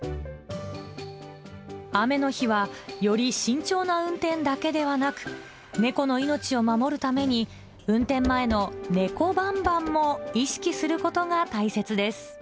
雨の日はより慎重な運転だけではなく、猫の命を守るために、運転前の猫バンバンも意識するこ